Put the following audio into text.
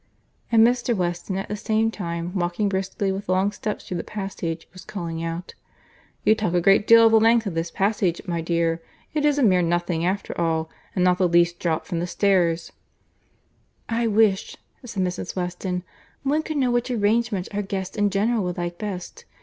And Mr. Weston at the same time, walking briskly with long steps through the passage, was calling out, "You talk a great deal of the length of this passage, my dear. It is a mere nothing after all; and not the least draught from the stairs." "I wish," said Mrs. Weston, "one could know which arrangement our guests in general would like best.